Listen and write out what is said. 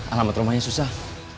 alamat rumahnya susah